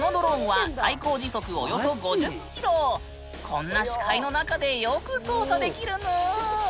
こんな視界の中でよく操作できるぬ！